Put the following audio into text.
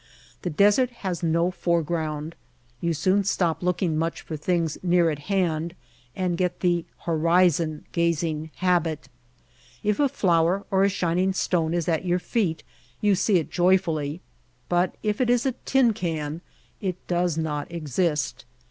The desert has no fore ground; you soon stop looking much for things near at hand and get the horizon gazing habit. If a flower or a shining stone is at your feet you see it joyfully, but if it is a tin can it does not exist.